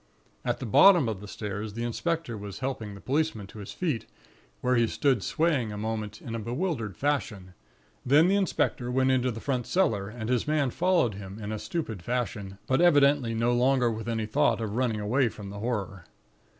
"At the bottom of the stairs, the inspector was helping the policeman to his feet, where he stood swaying a moment, in a bewildered fashion; then the inspector went into the front cellar, and his man followed him in stupid fashion; but evidently no longer with any thought of running away from the horror.